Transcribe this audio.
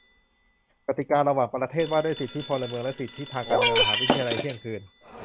กติการะหว่างประเทศว่าด้วยสิทธิพลเมืองและสิทธิทางการเมือง มหาวิทยาลัยเที่ยงคืน